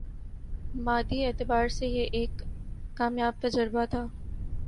مادی اعتبار سے یہ ایک کامیاب تجربہ تھا